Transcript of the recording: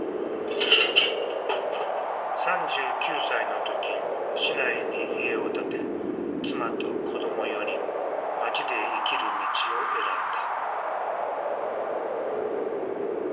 ３９歳の時市内に家を建て妻と子ども４人町で生きる道を選んだ。